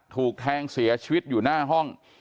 ถูกแทงเสียชีวิตอยู่หน้าห้อง